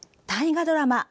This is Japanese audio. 大河ドラマ